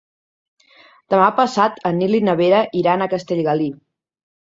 Demà passat en Nil i na Vera iran a Castellgalí.